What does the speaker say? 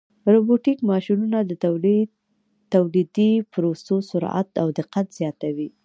روبوټیک ماشینونه د تولیدي پروسو سرعت او دقت زیاتوي.